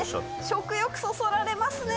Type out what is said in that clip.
食欲そそられますね。